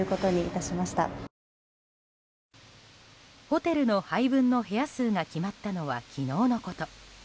ホテルの配分の部屋数が決まったのは昨日のこと。